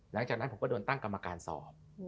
หลังจากนั้นผมก็โดนตั้งกรรมการสอบ